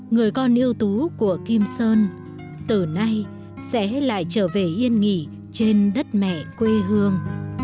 người con yêu tú của kim sơn từ nay sẽ lại trở về yên nghỉ trên đất mẹ quê hương